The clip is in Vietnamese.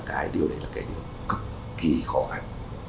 cái điều đấy là cái điều cực kỳ khó khăn